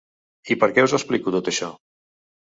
I per què us explico tot això?